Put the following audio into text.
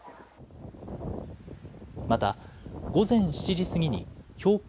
また午前７時過ぎに標高